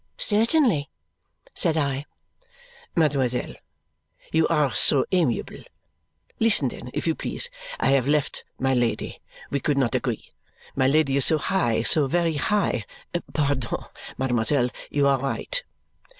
"Certainly," said I. "Mademoiselle, you are so amiable! Listen then, if you please. I have left my Lady. We could not agree. My Lady is so high, so very high. Pardon! Mademoiselle, you are right!"